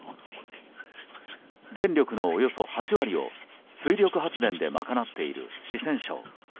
電力のおよそ８割を水力発電で賄っている四川省。